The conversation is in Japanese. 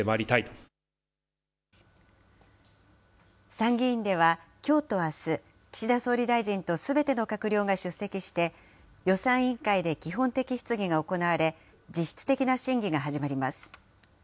参議院では、きょうとあす、岸田総理大臣とすべての閣僚が出席して、予算委員会で基本的質疑が行われ、実質的な審議が始まります。